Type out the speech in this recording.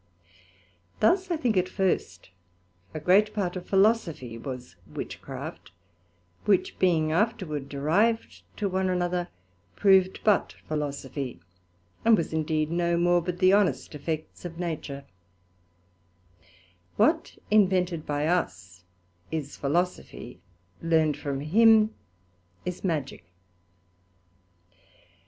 Thus I think at first a great part of Philosophy was Witchcraft, which being afterward derived to one another, proved but Philosophy, and was indeed no more but the honest effects of Nature: What invented by us is Philosophy, learned from him is Magick.